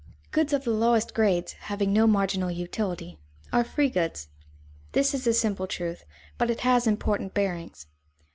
Goods of the lowest grades, having no marginal utility, are free goods. This is a simple truth, but it has important bearings.